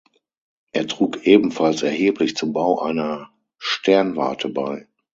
Er trug ebenfalls erheblich zum Bau einer Sternwarte bei.